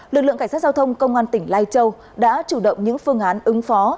lực lượng cảnh sát giao thông công an tỉnh lai châu đã chủ động những phương án ứng phó